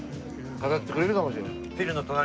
飾ってくれるかもしれない。